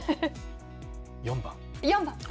４番。